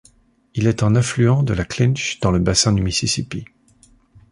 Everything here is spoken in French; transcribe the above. Il est un affluent de la Clinch dans le bassin du Mississippi.